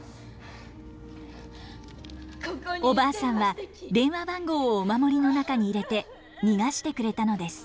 おばあさんは電話番号をお守りの中に入れて逃がしてくれたのです。